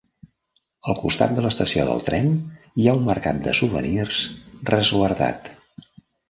Al costat de l'estació del tren hi ha un mercat de souvenirs resguardat.